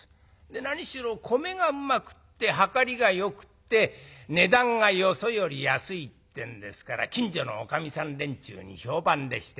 何しろ米がうまくって量りがよくって値段がよそより安いってんですから近所のおかみさん連中に評判でして。